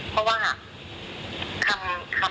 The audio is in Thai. เพราะว่า